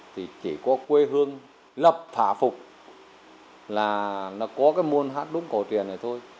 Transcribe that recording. thì chỉ có quê hương lập thả phục là nó có cái môn hát đúng cổ truyền này thôi